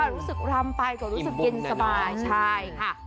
รู้สึกรำไปกว่ารู้สึกเย็นสบาย